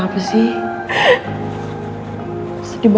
gue jadi ketan sedih dera